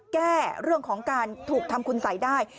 แก้เรื่องของการถูกทำคุณสัยได้